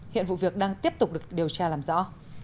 hiện vụ việc đang tiếp tục được điều tra làm rõ